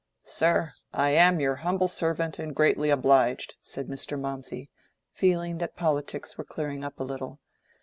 "Sir, I am your humble servant, and greatly obliged," said Mr. Mawmsey, feeling that politics were clearing up a little.